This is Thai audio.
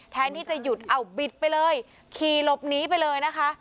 แทนที่จะหยุดเอาบิดไปเลยขี่หลบหนีไปเลยนะคะ